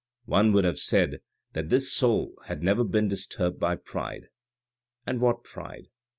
One would have said that this soul had never been disturbed by pride (and what pride